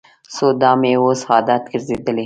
خو دا مې اوس عادت ګرځېدلی.